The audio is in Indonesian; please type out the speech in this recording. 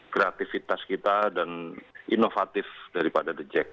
kreativitas kita dan inovatif daripada the jack